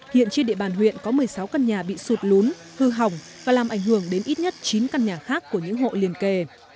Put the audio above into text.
hiện trên địa bàn huyện có một mươi sáu căn nhà bị sụt lún hư hỏng và làm ảnh hưởng đến ít nhất chín căn nhà khác của những hộ liên kề